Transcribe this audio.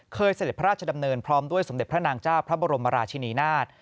เสด็จพระราชดำเนินพร้อมด้วยสมเด็จพระนางเจ้าพระบรมราชินีนาฏ